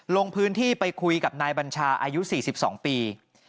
ลงพื้นที่ไปคุยกับนายบัญชาอายุ๔๒ปี